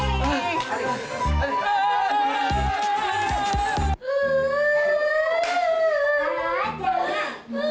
be be be pak iman